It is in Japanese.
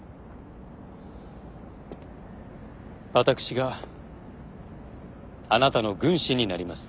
私があなたの軍師になります。